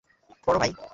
পড়ো, ভাই।